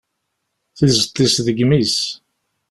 Tizeṭ-is deg imi-s.